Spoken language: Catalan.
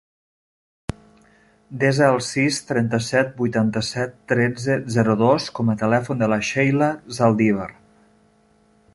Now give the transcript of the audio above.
Desa el sis, trenta-set, vuitanta-set, tretze, zero, dos com a telèfon de la Sheila Zaldivar.